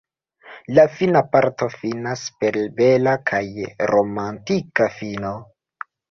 La fina parto finas per bela kaj romantika fino.